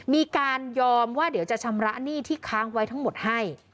มีการยอมว่าเดี๋ยวจะชำระหนี้ที่ค้างไว้ทั้งหมดให้